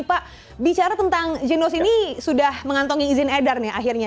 pak bicara tentang jinos ini sudah mengantongi izin edar nih akhirnya